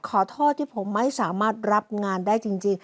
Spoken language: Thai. ขอโทษที่ผมไม่สามารถรับงานได้จริง